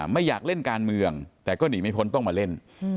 ไม่อยากเล่นการเมืองแต่ก็หนีไม่พ้นต้องมาเล่น